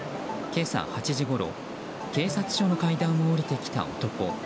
今朝８時ごろ警察署の階段を下りてきた男。